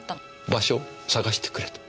場所を捜してくれと。